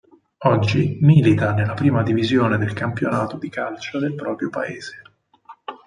Oggi milita nella prima divisione del campionato di calcio del proprio paese.